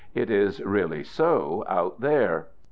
It is really so " out there."